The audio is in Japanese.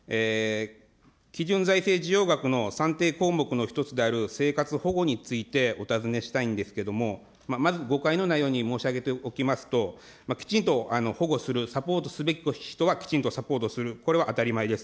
基準額の算定項目の一つである生活保護について、お尋ねしたいんですけど、まず誤解のないように申し上げておきますと、きちんと保護する、サポートすべき人はきちんとサポートする、これは当たり前です。